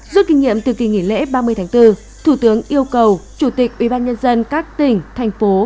suốt kinh nghiệm từ kỳ nghỉ lễ ba mươi tháng bốn thủ tướng yêu cầu chủ tịch ubnd các tỉnh thành phố